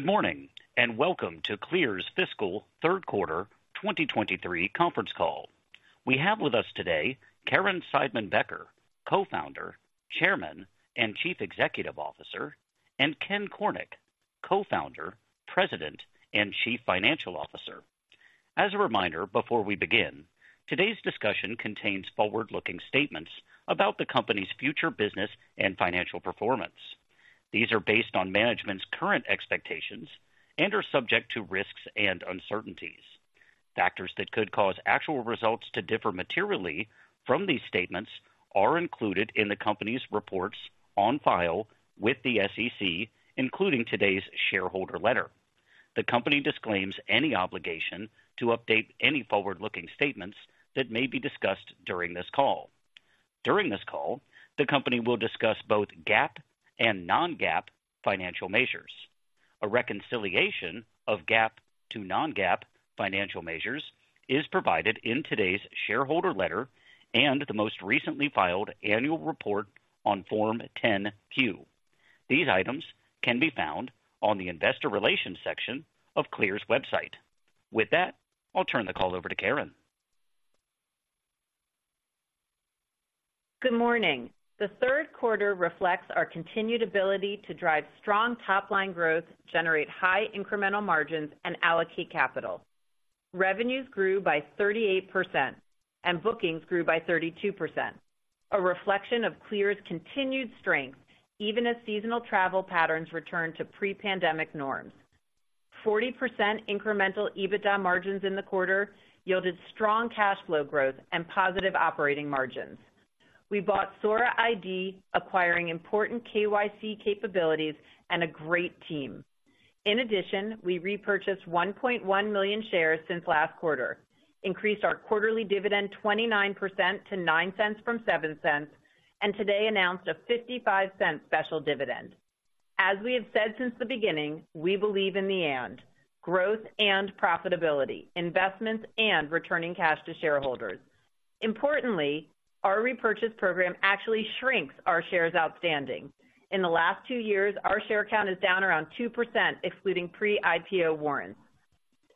Good morning, and welcome to CLEAR's fiscal third quarter 2023 conference call. We have with us today, Caryn Seidman-Becker, Co-founder, Chairman, and Chief Executive Officer, and Ken Cornick, Co-founder, President, and Chief Financial Officer. As a reminder, before we begin, today's discussion contains forward-looking statements about the company's future business and financial performance. These are based on management's current expectations and are subject to risks and uncertainties. Factors that could cause actual results to differ materially from these statements are included in the company's reports on file with the SEC, including today's shareholder letter. The company disclaims any obligation to update any forward-looking statements that may be discussed during this call. During this call, the company will discuss both GAAP and non-GAAP financial measures. A reconciliation of GAAP to non-GAAP financial measures is provided in today's shareholder letter and the most recently filed annual report on Form 10-Q. These items can be found on the investor relations section of CLEAR's website. With that, I'll turn the call over to Caryn. Good morning. The third quarter reflects our continued ability to drive strong top-line growth, generate high incremental margins, and allocate capital. Revenues grew by 38%, and bookings grew by 32%, a reflection of CLEAR's continued strength, even as seasonal travel patterns return to pre-pandemic norms. 40% incremental EBITDA margins in the quarter yielded strong cash flow growth and positive operating margins. We bought Sora ID, acquiring important KYC capabilities and a great team. In addition, we repurchased 1.1 million shares since last quarter, increased our quarterly dividend 29% to $0.09 from $0.07, and today announced a $0.55 special dividend. As we have said since the beginning, we believe in the and, growth and profitability, investments, and returning cash to shareholders. Importantly, our repurchase program actually shrinks our shares outstanding. In the last two years, our share count is down around 2%, excluding pre-IPO warrants.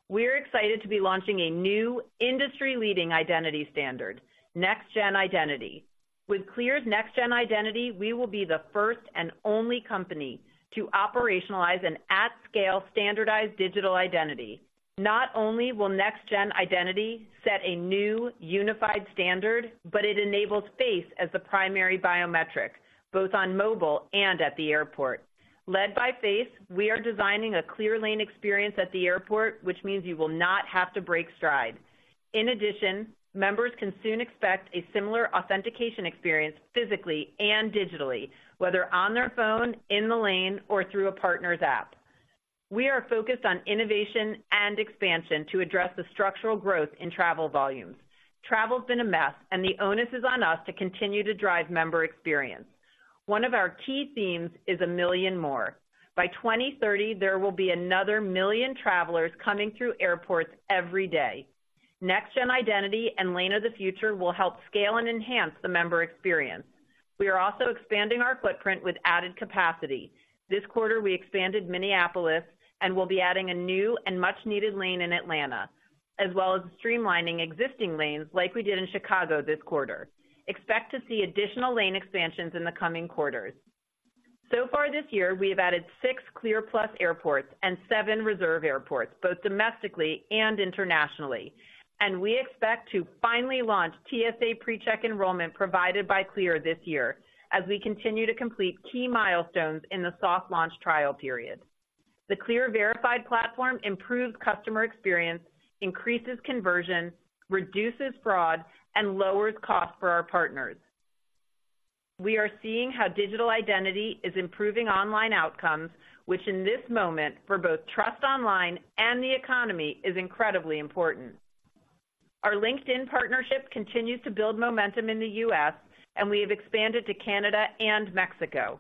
We're excited to be launching a new industry-leading identity standard, NextGen Identity. With CLEAR's NextGen Identity, we will be the first and only company to operationalize an at-scale standardized digital identity. Not only will NextGen Identity set a new unified standard, but it enables face as the primary biometric, both on mobile and at the airport. Led by face, we are designing a CLEAR lane experience at the airport, which means you will not have to break stride. In addition, members can soon expect a similar authentication experience physically and digitally, whether on their phone, in the lane, or through a partner's app. We are focused on innovation and expansion to address the structural growth in travel volumes. Travel's been a mess, and the onus is on us to continue to drive member experience. One of our key themes is 1 million more. By 2030, there will be another 1 million travelers coming through airports every day. NextGen Identity and Lane of the Future will help scale and enhance the member experience. We are also expanding our footprint with added capacity. This quarter, we expanded Minneapolis and will be adding a new and much-needed lane in Atlanta, as well as streamlining existing lanes like we did in Chicago this quarter. Expect to see additional lane expansions in the coming quarters. So far this year, we have added six CLEAR+ airports and seven Reserve airports, both domestically and internationally. We expect to finally launch TSA PreCheck enrollment provided by CLEAR this year as we continue to complete key milestones in the soft launch trial period. The CLEAR Verified platform improves customer experience, increases conversion, reduces fraud, and lowers costs for our partners. We are seeing how digital identity is improving online outcomes, which in this moment, for both trust online and the economy, is incredibly important. Our LinkedIn partnership continues to build momentum in the U.S., and we have expanded to Canada and Mexico.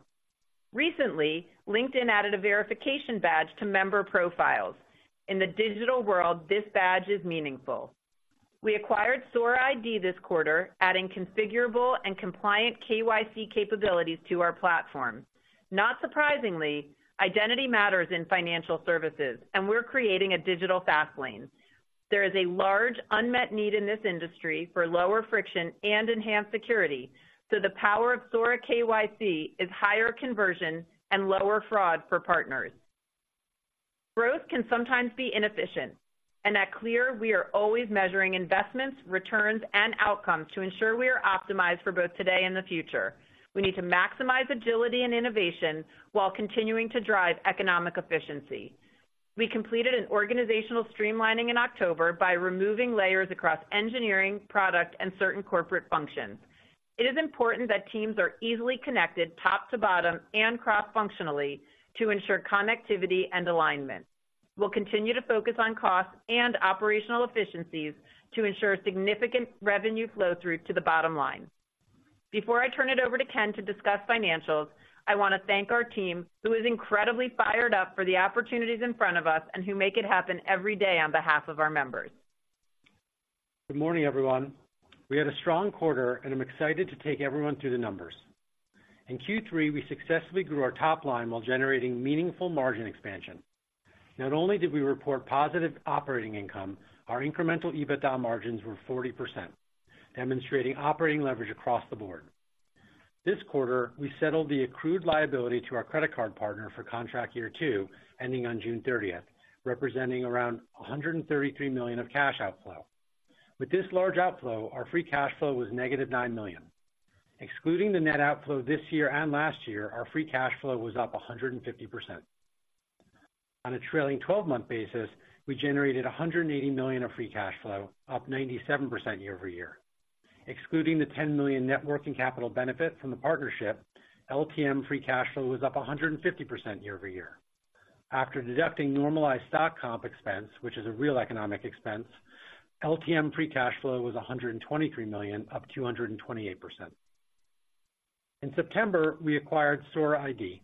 Recently, LinkedIn added a verification badge to member profiles. In the digital world, this badge is meaningful. We acquired Sora ID this quarter, adding configurable and compliant KYC capabilities to our platform. Not surprisingly, identity matters in financial services, and we're creating a digital fast lane. There is a large unmet need in this industry for lower friction and enhanced security, so the power of Sora KYC is higher conversion and lower fraud for partners. Growth can sometimes be inefficient, and at CLEAR, we are always measuring investments, returns, and outcomes to ensure we are optimized for both today and the future. We need to maximize agility and innovation while continuing to drive economic efficiency. We completed an organizational streamlining in October by removing layers across engineering, product, and certain corporate functions. It is important that teams are easily connected top to bottom and cross-functionally to ensure connectivity and alignment. We'll continue to focus on costs and operational efficiencies to ensure significant revenue flow through to the bottom line. Before I turn it over to Ken to discuss financials, I want to thank our team, who is incredibly fired up for the opportunities in front of us and who make it happen every day on behalf of our members. Good morning, everyone. We had a strong quarter, and I'm excited to take everyone through the numbers. In Q3, we successfully grew our top line while generating meaningful margin expansion. Not only did we report positive operating income, our incremental EBITDA margins were 40%, demonstrating operating leverage across the board. This quarter, we settled the accrued liability to our credit card partner for contract year two, ending on June thirtieth, representing around $133 million of cash outflow. With this large outflow, our free cash flow was -$9 million. Excluding the net outflow this year and last year, our free cash flow was up 150%. On a trailing twelve-month basis, we generated $180 million of free cash flow, up 97% year over year. Excluding the $10 million net working capital benefit from the partnership, LTM free cash flow was up 150% year-over-year. After deducting normalized stock comp expense, which is a real economic expense, LTM free cash flow was $123 million, up 228%. In September, we acquired Sora ID.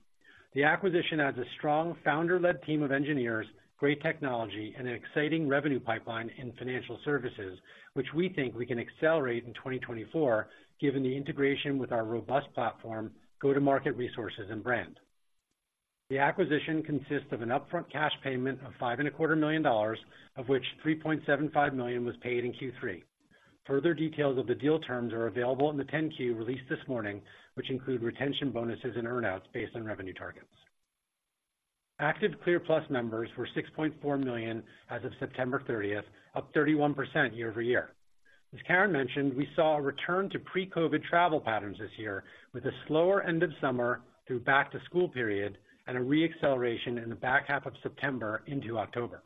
The acquisition adds a strong founder-led team of engineers, great technology, and an exciting revenue pipeline in financial services, which we think we can accelerate in 2024, given the integration with our robust platform, go-to-market resources, and brand. The acquisition consists of an upfront cash payment of $5.25 million, of which $3.75 million was paid in Q3. Further details of the deal terms are available in the 10-Q released this morning, which include retention, bonuses, and earn-outs based on revenue targets. Active CLEAR+ members were 6.4 million as of September thirtieth, up 31% year-over-year. As Caryn mentioned, we saw a return to pre-COVID travel patterns this year, with a slower end of summer through back to school period and a re-acceleration in the back half of September into October.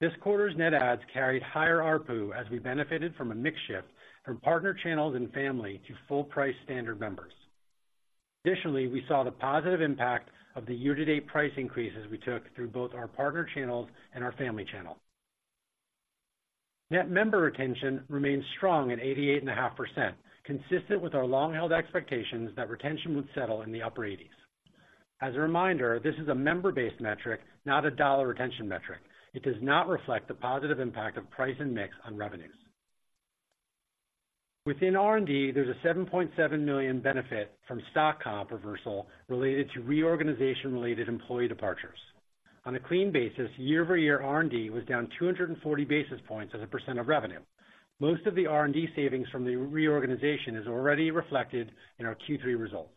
This quarter's net adds carried higher ARPU as we benefited from a mix shift from partner channels and family to full price standard members. Additionally, we saw the positive impact of the year-to-date price increases we took through both our partner channels and our family channel. Net member retention remains strong at 88.5%, consistent with our long-held expectations that retention would settle in the upper eighties. As a reminder, this is a member-based metric, not a dollar retention metric. It does not reflect the positive impact of price and mix on revenues. Within R&D, there's a $7.7 million benefit from stock comp reversal related to reorganization-related employee departures. On a clean basis, year-over-year R&D was down 240 basis points as a % of revenue. Most of the R&D savings from the reorganization is already reflected in our Q3 results.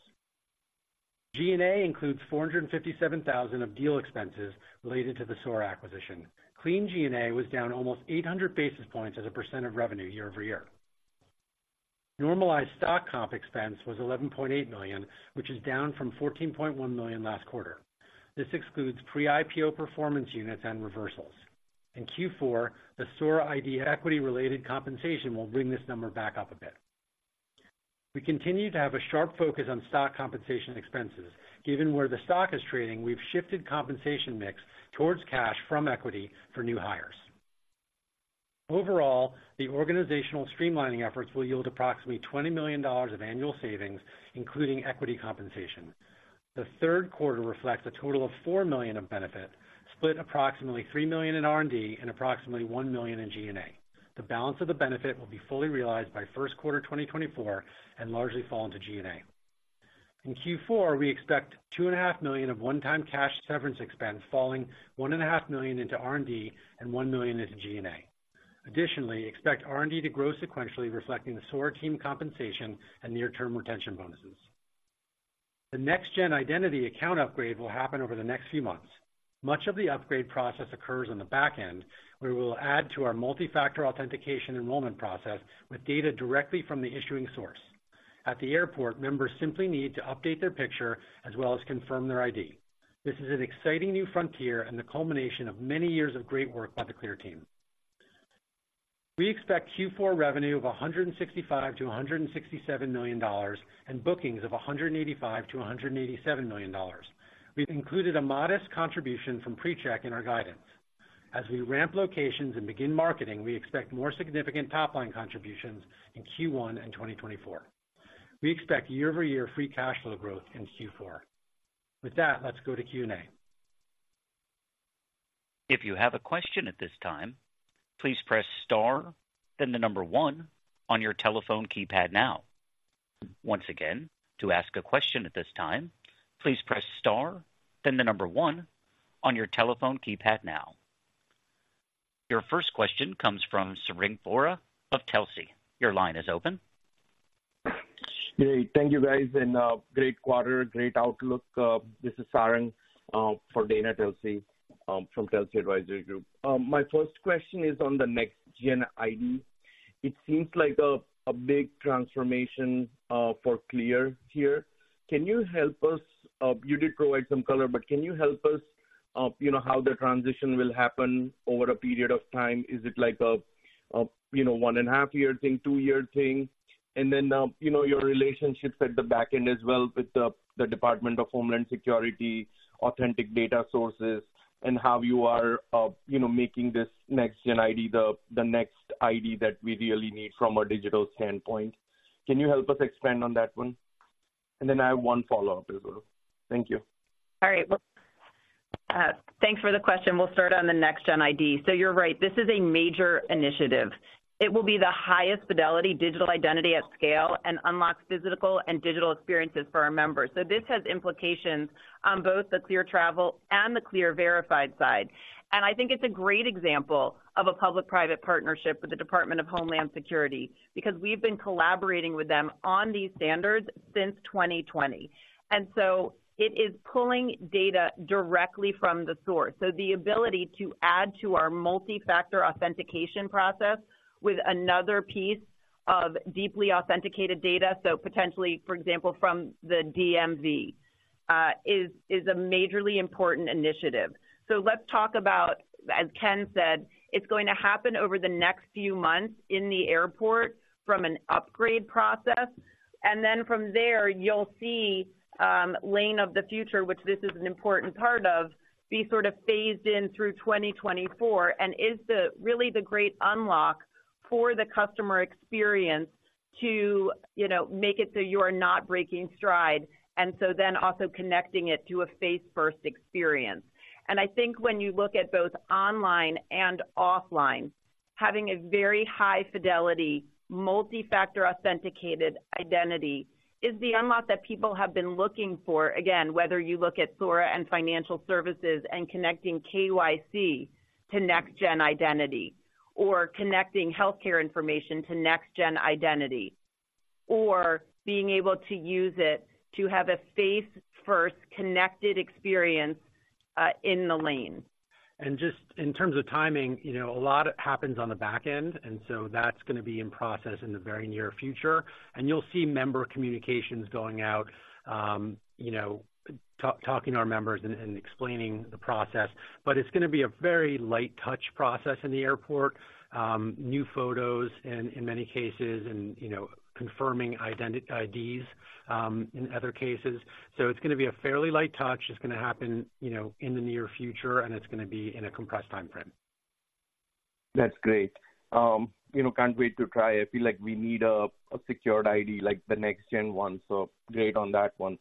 G&A includes $457,000 of deal expenses related to the Sora acquisition. Clean G&A was down almost 800 basis points as a % of revenue year-over-year. Normalized stock comp expense was $11.8 million, which is down from $14.1 million last quarter. This excludes pre-IPO performance units and reversals. In Q4, the Sora ID equity-related compensation will bring this number back up a bit. We continue to have a sharp focus on stock compensation expenses. Given where the stock is trading, we've shifted compensation mix towards cash from equity for new hires. Overall, the organizational streamlining efforts will yield approximately $20 million of annual savings, including equity compensation. The third quarter reflects a total of $4 million of benefit, split approximately $3 million in R&D and approximately $1 million in G&A. The balance of the benefit will be fully realized by first quarter 2024 and largely fall into G&A. In Q4, we expect $2.5 million of one-time cash severance expense, falling $1.5 million into R&D and $1 million into G&A. Additionally, expect R&D to grow sequentially, reflecting the Sora team compensation and near-term retention bonuses. The NextGen Identity account upgrade will happen over the next few months. Much of the upgrade process occurs on the back end, where we will add to our multi-factor authentication enrollment process with data directly from the issuing source. At the airport, members simply need to update their picture as well as confirm their ID. This is an exciting new frontier and the culmination of many years of great work by the CLEAR team. We expect Q4 revenue of $165 million-$167 million and bookings of $185 million-$187 million. We've included a modest contribution from PreCheck in our guidance. As we ramp locations and begin marketing, we expect more significant top-line contributions in Q1 and 2024. We expect year-over-year free cash flow growth in Q4. With that, let's go to Q&A. If you have a question at this time, please press star, then the number one on your telephone keypad now. Once again, to ask a question at this time, please press star, then the number one on your telephone keypad now. Your first question comes from Sarang Vora of Telsey. Your line is open. Hey, thank you, guys, and, great quarter. Great outlook. This is Sarang, for Dana Telsey, from Telsey Advisory Group. My first question is on the next-gen ID. It seems like a big transformation, for CLEAR here. Can you help us... You did provide some color, but can you help us, you know, how the transition will happen over a period of time? Is it like a you know, One and a half year thing, two year thing? And then, you know, your relationships at the back end as well with the Department of Homeland Security, authentic data sources, and how you are, you know, making this next-gen ID, the next ID that we really need from a digital standpoint. Can you help us expand on that one? And then I have one follow-up as well. Thank you. All right, well-... Thanks for the question. We'll start on the next-gen ID. So you're right, this is a major initiative. It will be the highest fidelity digital identity at scale, and unlock physical and digital experiences for our members. So this has implications on both the CLEAR Travel and the CLEAR Verified side. And I think it's a great example of a public-private partnership with the Department of Homeland Security, because we've been collaborating with them on these standards since 2020. And so it is pulling data directly from the source. So the ability to add to our multi-factor authentication process with another piece of deeply authenticated data, so potentially, for example, from the DMV, is a majorly important initiative. So let's talk about, as Ken said, it's going to happen over the next few months in the airport from an upgrade process, and then from there, you'll see, Lane of the Future, which this is an important part of, be sort of phased in through 2024, and is the, really the great unlock for the customer experience to, you know, make it so you are not breaking stride, and so then also connecting it to a face-first experience. And I think when you look at both online and offline, having a very high fidelity, multi-factor authenticated identity is the unlock that people have been looking for. Again, whether you look at Sora and financial services and connecting KYC to NextGen Identity, or connecting healthcare information to NextGen Identity, or being able to use it to have a face-first connected experience, in the lane. Just in terms of timing, you know, a lot happens on the back end, and so that's going to be in process in the very near future. You'll see member communications going out, you know, talking to our members and, and explaining the process. But it's going to be a very light touch process in the airport, new photos and in many cases, and, you know, confirming IDs, in other cases. So it's going to be a fairly light touch. It's going to happen, you know, in the near future, and it's going to be in a compressed timeframe. That's great. You know, can't wait to try. I feel like we need a secured ID, like the next-gen one, so great on that one.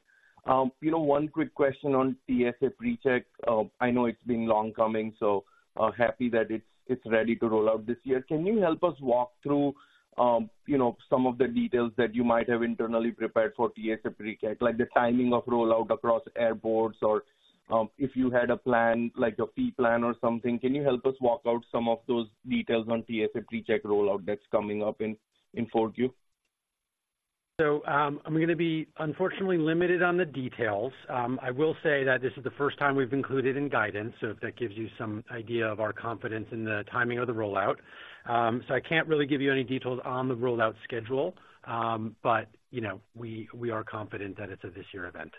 You know, one quick question on TSA PreCheck. I know it's been long coming, so happy that it's ready to roll out this year. Can you help us walk through, you know, some of the details that you might have internally prepared for TSA PreCheck, like the timing of rollout across airports or, if you had a plan, like a fee plan or something, can you help us walk out some of those details on TSA PreCheck rollout that's coming up in 4Q? I'm going to be unfortunately limited on the details. I will say that this is the first time we've included in guidance, so if that gives you some idea of our confidence in the timing of the rollout. I can't really give you any details on the rollout schedule, but, you know, we are confident that it's a this year event.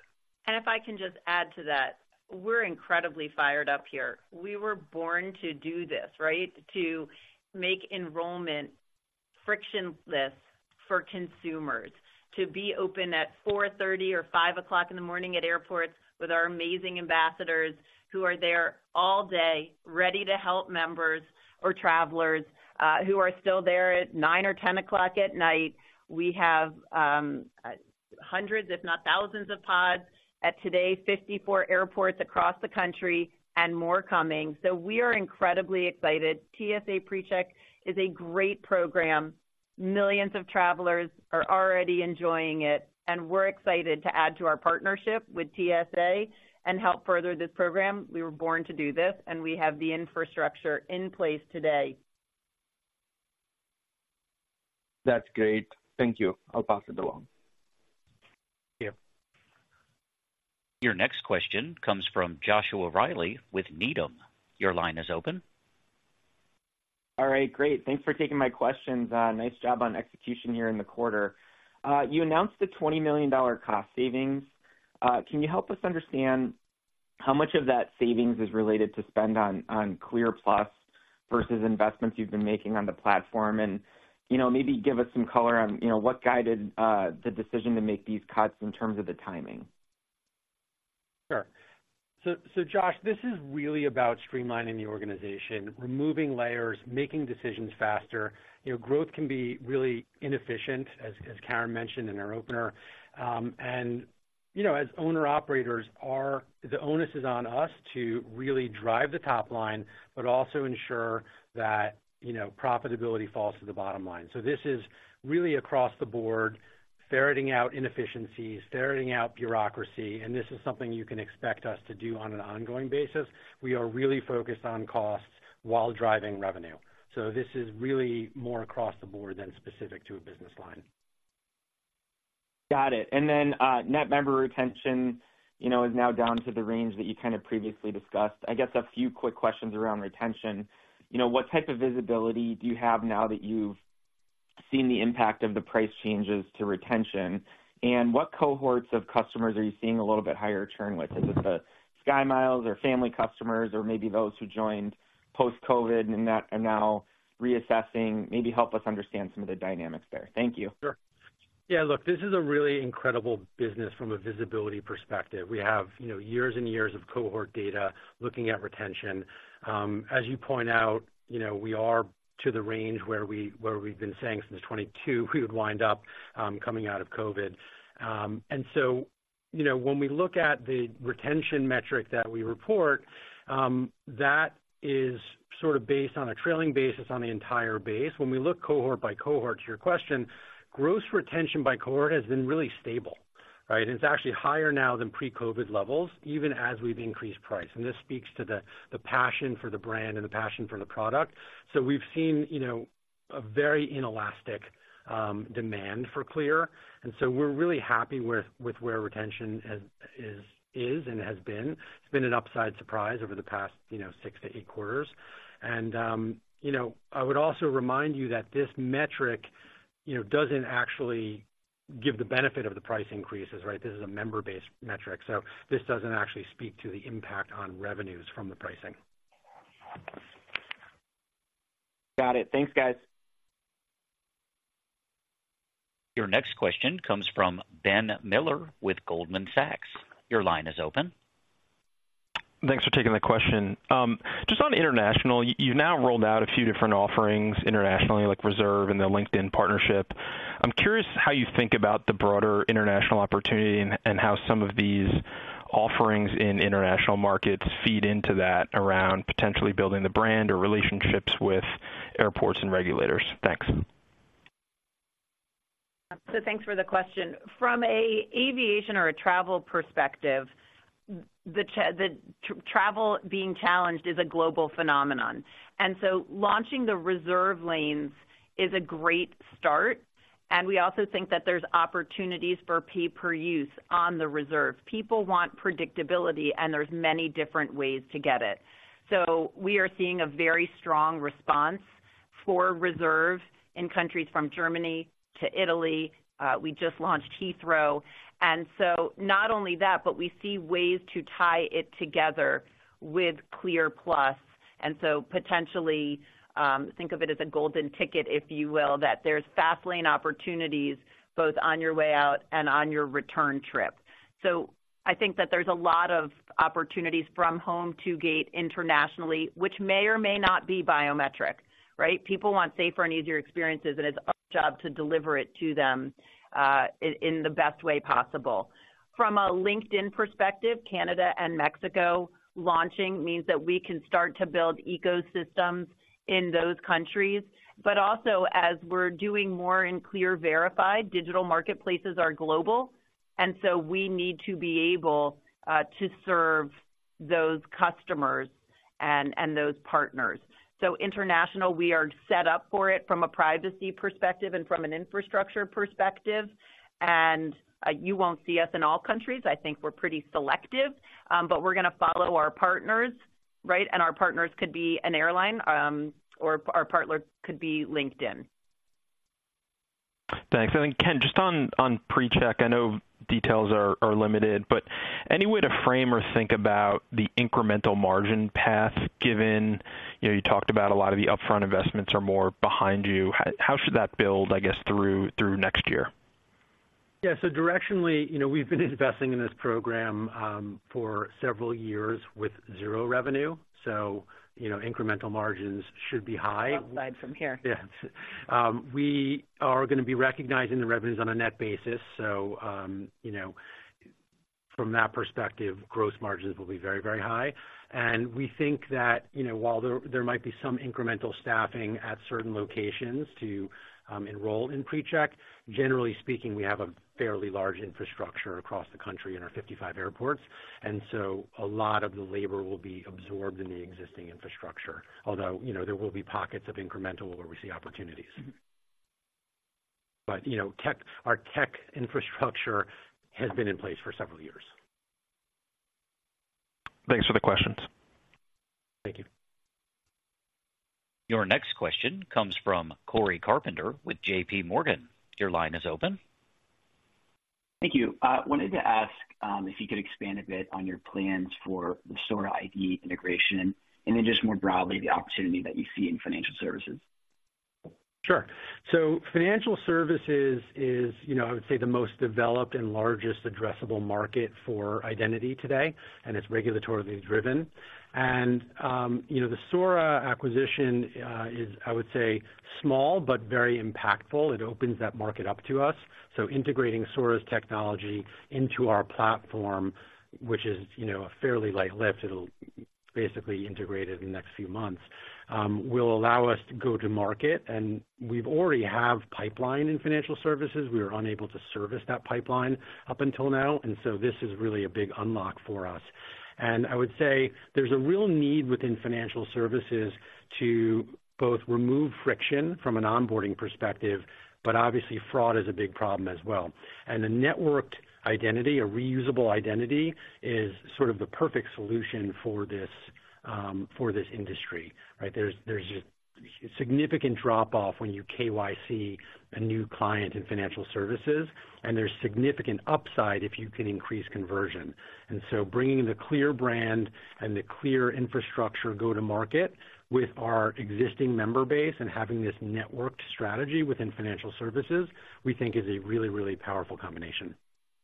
And if I can just add to that, we're incredibly fired up here. We were born to do this, right? To make enrollment frictionless for consumers, to be open at 4:30 A.M. or 5:00 A.M. at airports with our amazing ambassadors, who are there all day, ready to help members or travelers who are still there at 9:00 P.M. or 10:00 P.M. We have hundreds, if not thousands, of pods at, today, 54 airports across the country, and more coming. So we are incredibly excited. TSA PreCheck is a great program. Millions of travelers are already enjoying it, and we're excited to add to our partnership with TSA and help further this program. We were born to do this, and we have the infrastructure in place today. That's great. Thank you. I'll pass it along. Thank you. Your next question comes from Joshua Reilly with Needham. Your line is open. All right, great. Thanks for taking my questions. Nice job on execution here in the quarter. You announced a $20 million cost savings. Can you help us understand how much of that savings is related to spend on CLEAR+ versus investments you've been making on the platform? And, you know, maybe give us some color on, you know, what guided the decision to make these cuts in terms of the timing. Sure. So, Josh, this is really about streamlining the organization, removing layers, making decisions faster. You know, growth can be really inefficient, as Caryn mentioned in our opener. And, you know, as owner-operators, the onus is on us to really drive the top line, but also ensure that, you know, profitability falls to the bottom line. So this is really across the board, ferreting out inefficiencies, ferreting out bureaucracy, and this is something you can expect us to do on an ongoing basis. We are really focused on costs while driving revenue. So this is really more across the board than specific to a business line. Got it. And then, net member retention, you know, is now down to the range that you kind of previously discussed. I guess a few quick questions around retention. You know, what type of visibility do you have now that you've seen the impact of the price changes to retention? And what cohorts of customers are you seeing a little bit higher churn with? Is it the SkyMiles or family customers, or maybe those who joined post-COVID and that are now reassessing? Maybe help us understand some of the dynamics there. Thank you. Sure. Yeah, look, this is a really incredible business from a visibility perspective. We have, you know, years and years of cohort data looking at retention. As you point out, you know, we are to the range where we've been saying since 2022, we would wind up, coming out of COVID. You know, when we look at the retention metric that we report, that is sort of based on a trailing basis on the entire base. When we look cohort by cohort, to your question, gross retention by cohort has been really stable, right? It's actually higher now than pre-COVID levels, even as we've increased price, and this speaks to the passion for the brand and the passion for the product. So we've seen, you know, a very inelastic demand for CLEAR, and so we're really happy with where retention is and has been. It's been an upside surprise over the past, you know, six to eight quarters. And, you know, I would also remind you that this metric, you know, doesn't actually give the benefit of the price increases, right? This is a member-based metric, so this doesn't actually speak to the impact on revenues from the pricing. Got it. Thanks, guys. Your next question comes from Ben Miller with Goldman Sachs. Your line is open. Thanks for taking the question. Just on international, you've now rolled out a few different offerings internationally, like Reserve and the LinkedIn partnership. I'm curious how you think about the broader international opportunity and how some of these offerings in international markets feed into that around potentially building the brand or relationships with airports and regulators. Thanks. So thanks for the question. From an aviation or a travel perspective, travel being challenged is a global phenomenon, and so launching the Reserve lanes is a great start, and we also think that there's opportunities for pay per use on the Reserve. People want predictability, and there's many different ways to get it. So we are seeing a very strong response for Reserve in countries from Germany to Italy. We just launched Heathrow, and so not only that, but we see ways to tie it together with CLEAR+, and so potentially, think of it as a golden ticket, if you will, that there's fast lane opportunities both on your way out and on your return trip. So I think that there's a lot of opportunities from home to gate internationally, which may or may not be biometric, right? People want safer and easier experiences, and it's our job to deliver it to them, in the best way possible. From a LinkedIn perspective, Canada and Mexico launching means that we can start to build ecosystems in those countries, but also, as we're doing more in CLEAR Verified, digital marketplaces are global, and so we need to be able, to serve those customers and those partners. So international, we are set up for it from a privacy perspective and from an infrastructure perspective. And, you won't see us in all countries. I think we're pretty selective. But we're gonna follow our partners, right? And our partners could be an airline, or our partner could be LinkedIn. Thanks. And then, Ken, just on PreCheck, I know details are limited, but any way to frame or think about the incremental margin path, given, you know, you talked about a lot of the upfront investments are more behind you. How should that build, I guess, through next year? Yeah, so directionally, you know, we've been investing in this program for several years with 0 revenue, so, you know, incremental margins should be high. Upside from here. Yeah. We are gonna be recognizing the revenues on a net basis, so, you know, from that perspective, gross margins will be very, very high. And we think that, you know, while there might be some incremental staffing at certain locations to enroll in PreCheck, generally speaking, we have a fairly large infrastructure across the country in our 55 airports, and so a lot of the labor will be absorbed in the existing infrastructure, although, you know, there will be pockets of incremental where we see opportunities. But, you know, tech—our tech infrastructure has been in place for several years. Thanks for the questions. Thank you. Your next question comes from Cory Carpenter with JP Morgan. Your line is open. Thank you. Wanted to ask if you could expand a bit on your plans for the Sora ID integration, and then just more broadly, the opportunity that you see in financial services. Sure. So financial services is, you know, I would say, the most developed and largest addressable market for identity today, and it's regulatorily driven. And, you know, the Sora acquisition is, I would say, small but very impactful. It opens that market up to us. So integrating Sora's technology into our platform, which is, you know, a fairly light lift, it'll basically integrated in the next few months will allow us to go to market, and we've already have pipeline in financial services. We were unable to service that pipeline up until now, and so this is really a big unlock for us. And I would say there's a real need within financial services to both remove friction from an onboarding perspective, but obviously fraud is a big problem as well. A networked identity, a reusable identity, is sort of the perfect solution for this, for this industry, right? There's a significant drop-off when you KYC a new client in financial services, and there's significant upside if you can increase conversion. So bringing the CLEAR brand and the CLEAR infrastructure go to market with our existing member base and having this networked strategy within financial services, we think is a really, really powerful combination....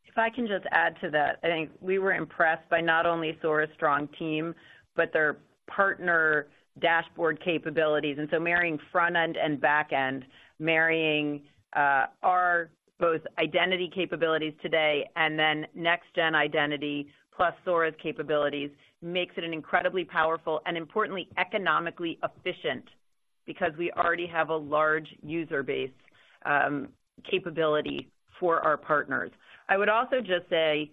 If I can just add to that, I think we were impressed by not only Sora's strong team, but their partner dashboard capabilities. And so marrying front-end and back-end, marrying our both identity capabilities today, and then NextGen Identity, plus Sora's capabilities, makes it an incredibly powerful and importantly, economically efficient, because we already have a large user base, capability for our partners. I would also just say,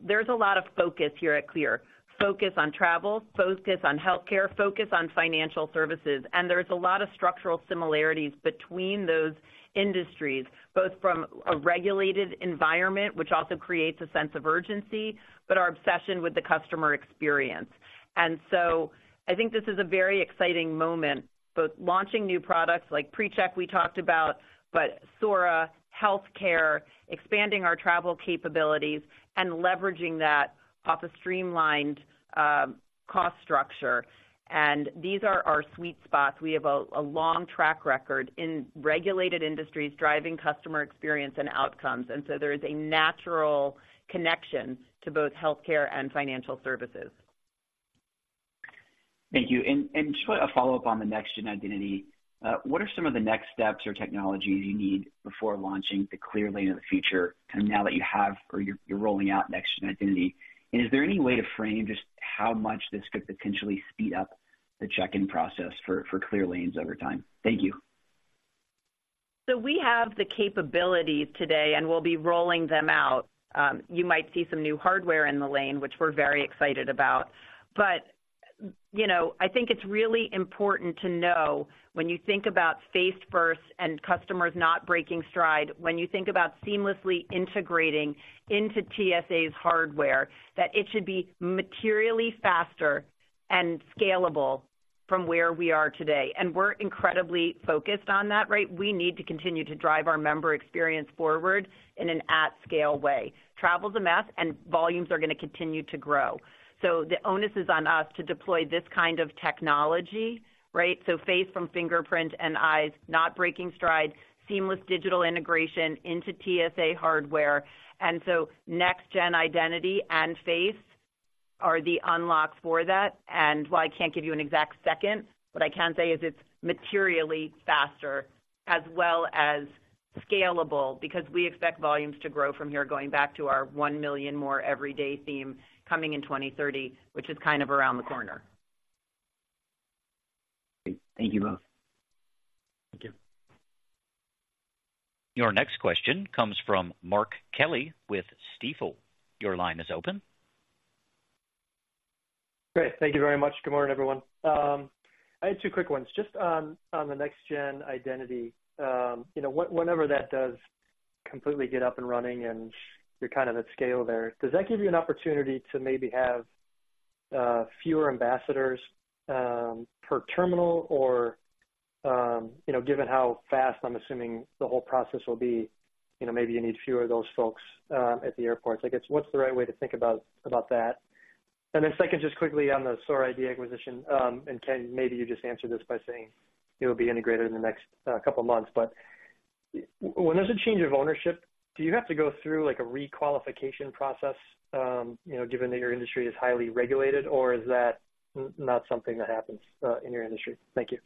there's a lot of focus here at CLEAR, focus on travel, focus on healthcare, focus on financial services, and there's a lot of structural similarities between those industries, both from a regulated environment, which also creates a sense of urgency, but our obsession with the customer experience. So I think this is a very exciting moment, both launching new products like PreCheck we talked about, but Sora, healthcare, expanding our travel capabilities and leveraging that off a streamlined cost structure. And these are our sweet spots. We have a long track record in regulated industries, driving customer experience and outcomes, and so there is a natural connection to both healthcare and financial services. Thank you. And just a follow-up on the NextGen Identity. What are some of the next steps or technologies you need before launching the CLEAR Lane of the Future, and now that you have or you're rolling out NextGen Identity? And is there any way to frame just how much this could potentially speed up the check-in process for CLEAR lanes over time? Thank you. So we have the capabilities today, and we'll be rolling them out. You might see some new hardware in the lane, which we're very excited about. But, you know, I think it's really important to know when you think about face first and customers not breaking stride, when you think about seamlessly integrating into TSA's hardware, that it should be materially faster and scalable from where we are today. And we're incredibly focused on that, right? We need to continue to drive our member experience forward in an at-scale way. Travel is a math, and volumes are going to continue to grow. So the onus is on us to deploy this kind of technology, right? So face from fingerprint and eyes, not breaking stride, seamless digital integration into TSA hardware. NextGen Identity and face are the unlock for that, and while I can't give you an exact second, what I can say is it's materially faster as well as scalable, because we expect volumes to grow from here, going back to our 1 million more every day theme coming in 2030, which is kind of around the corner. Great. Thank you both. Thank you. Your next question comes from Mark Kelley with Stifel. Your line is open. Great. Thank you very much. Good morning, everyone. I had two quick ones. Just on the NextGen Identity. You know, whenever that does completely get up and running and you're kind of at scale there, does that give you an opportunity to maybe have fewer ambassadors per terminal? Or, you know, given how fast I'm assuming the whole process will be, you know, maybe you need fewer of those folks at the airports. I guess, what's the right way to think about that? And then second, just quickly on the Sora ID acquisition, and Ken, maybe you just answered this by saying it will be integrated in the next couple of months. But when there's a change of ownership, do you have to go through, like, a requalification process, you know, given that your industry is highly regulated, or is that not something that happens in your industry? Thank you.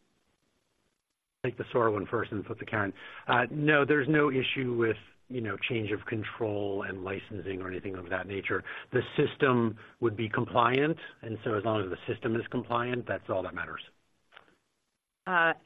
Take the Sora one first and put the Ken. No, there's no issue with, you know, change of control and licensing or anything of that nature. The system would be compliant, and so as long as the system is compliant, that's all that matters.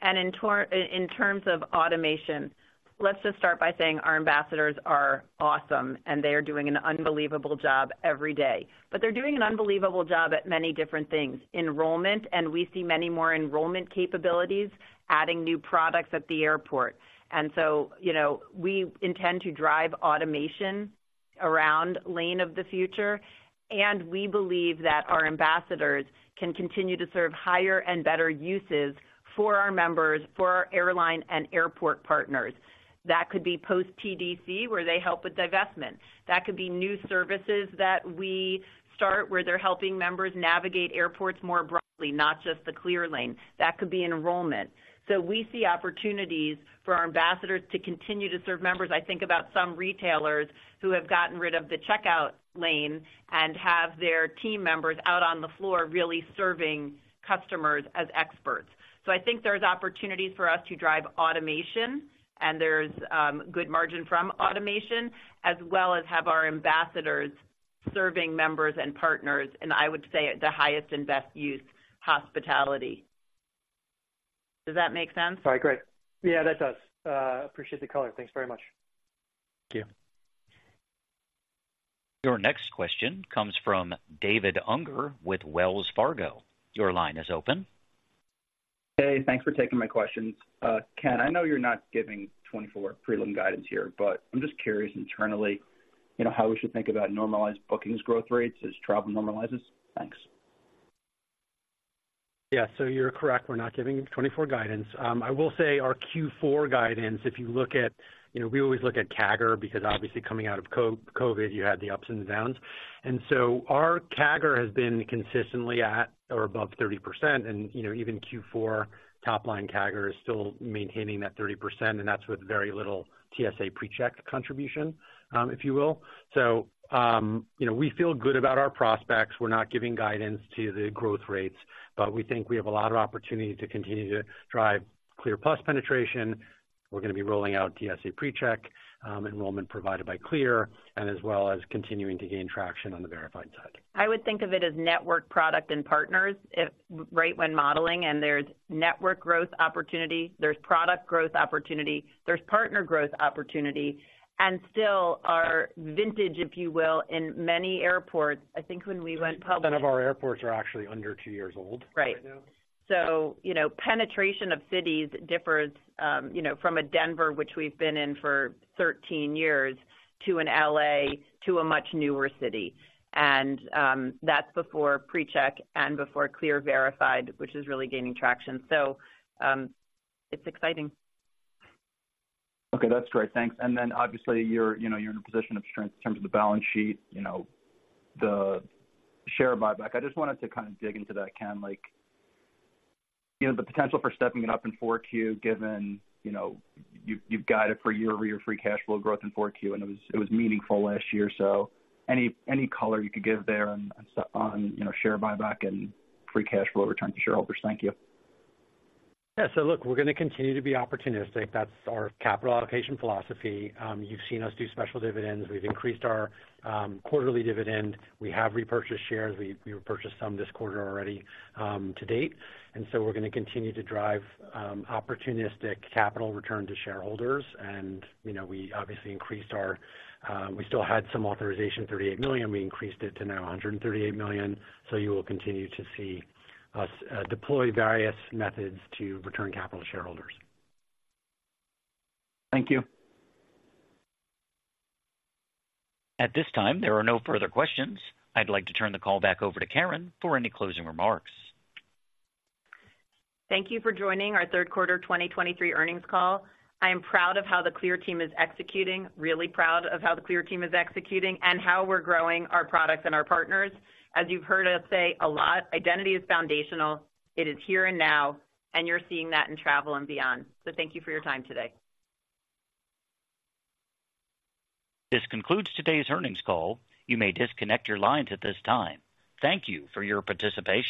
In terms of automation, let's just start by saying our ambassadors are awesome, and they are doing an unbelievable job every day. But they're doing an unbelievable job at many different things. Enrollment, and we see many more enrollment capabilities, adding new products at the airport. And so, you know, we intend to drive automation around Lane of the Future, and we believe that our ambassadors can continue to serve higher and better uses for our members, for our airline and airport partners. That could be post TDC, where they help with divestment. That could be new services that we start, where they're helping members navigate airports more broadly, not just the CLEAR lane. That could be enrollment. So we see opportunities for our ambassadors to continue to serve members. I think about some retailers who have gotten rid of the checkout lane and have their team members out on the floor really serving customers as experts. So I think there's opportunities for us to drive automation, and there's good margin from automation, as well as have our ambassadors serving members and partners, and I would say at the highest and best use, hospitality. Does that make sense? Sorry, great. Yeah, that does. Appreciate the color. Thanks very much. Thank you. Your next question comes from David Unger with Wells Fargo. Your line is open. Hey, thanks for taking my questions. Ken, I know you're not giving 2024 prelim guidance here, but I'm just curious internally, you know, how we should think about normalized bookings growth rates as travel normalizes? Thanks.... Yeah, so you're correct, we're not giving 2024 guidance. I will say our Q4 guidance, if you look at, you know, we always look at CAGR, because obviously coming out of COVID, you had the ups and downs. And so our CAGR has been consistently at or above 30%, and, you know, even Q4, top-line CAGR is still maintaining that 30%, and that's with very little TSA PreCheck contribution, if you will. So, you know, we feel good about our prospects. We're not giving guidance to the growth rates, but we think we have a lot of opportunity to continue to drive CLEAR+ penetration. We're gonna be rolling out TSA PreCheck enrollment provided by CLEAR, and as well as continuing to gain traction on the Verified side. I would think of it as network, product, and partners, if right when modeling, and there's network growth opportunity, there's product growth opportunity, there's partner growth opportunity, and still our vintage, if you will, in many airports. I think when we went public- None of our airports are actually under two years old. Right. -right now. So, you know, penetration of cities differs, you know, from a Denver, which we've been in for 13 years, to an L.A., to a much newer city. And, that's before PreCheck and before CLEAR Verified, which is really gaining traction. So, it's exciting. Okay, that's great. Thanks. And then, obviously, you're, you know, you're in a position of strength in terms of the balance sheet, you know, the share buyback. I just wanted to kind of dig into that, Ken, like, you know, the potential for stepping it up in 4Q, given, you know, you've, you've got it for year-over-year free cash flow growth in 4Q, and it was, it was meaningful last year. So any, any color you could give there on, on, you know, share buyback and free cash flow return to shareholders. Thank you. Yeah. So look, we're gonna continue to be opportunistic. That's our capital allocation philosophy. You've seen us do special dividends. We've increased our quarterly dividend. We have repurchased shares. We repurchased some this quarter already, to date. And so we're gonna continue to drive opportunistic capital return to shareholders. And, you know, we obviously increased our -- we still had some authorization, $38 million. We increased it to now $138 million. So you will continue to see us deploy various methods to return capital to shareholders. Thank you. At this time, there are no further questions. I'd like to turn the call back over to Caryn for any closing remarks. Thank you for joining our third quarter 2023 earnings call. I am proud of how the CLEAR team is executing, really proud of how the CLEAR team is executing, and how we're growing our products and our partners. As you've heard us say a lot, identity is foundational, it is here and now, and you're seeing that in travel and beyond. Thank you for your time today. This concludes today's earnings call. You may disconnect your lines at this time. Thank you for your participation.